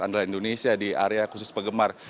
andalai indonesia di area khusus pegemar